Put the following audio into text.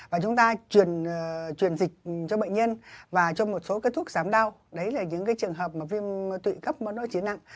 và chúng ta truyền dịch cho bệnh nhân và cho một số cái thuốc giám đau đấy là những trường hợp mà viêm tụy cấp nó chỉ nặng